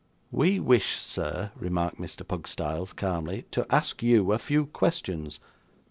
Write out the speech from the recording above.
'We wish, sir,' remarked Mr. Pugstyles, calmly, 'to ask you a few questions.